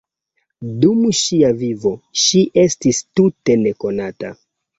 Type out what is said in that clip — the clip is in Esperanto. Dum ŝia vivo, ŝi estis tute nekonata.